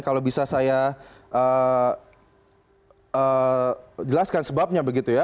kalau bisa saya jelaskan sebabnya begitu ya